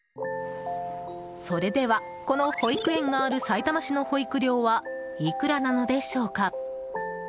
それでは、この保育園があるさいたま市の保育料はいくらなのでしょうか。